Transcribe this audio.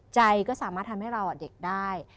ใจก็สามารถทำให้เราเด็กได้